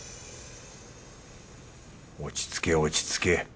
落ち着け落ち着け。